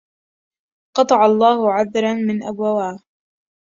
قطع الله عذر من أبواه